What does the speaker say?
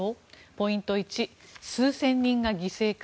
ポイント１、数千人が犠牲か。